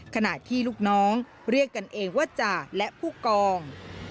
ขณะที่ลูกน้องเรียกกันเองว่าจ่าและผู้กอง